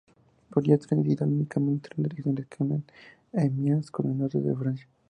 Por ella transitan únicamente trenes regionales que unen Amiens con el norte de Francia.